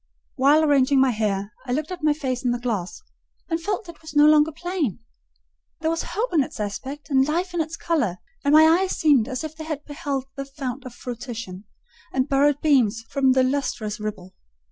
While arranging my hair, I looked at my face in the glass, and felt it was no longer plain: there was hope in its aspect and life in its colour; and my eyes seemed as if they had beheld the fount of fruition, and borrowed beams from the lustrous ripple.